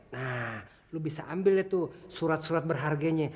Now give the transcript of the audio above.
nah lo bisa ambil deh tuh surat surat berharganya